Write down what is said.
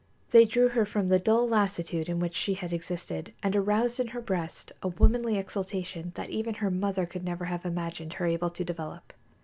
They drew her from the dull lassitude in which she had existed, and aroused in her breast a womanly exultation that even her mother could never have imagined her able to develop.